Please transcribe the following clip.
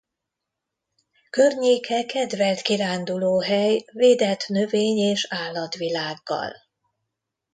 Környéke kedvelt kirándulóhely védett növény- és állatvilággal.